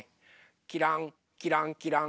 きらんきらんきらん。